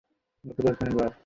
এর জন্য আমি খুব দুঃখিত।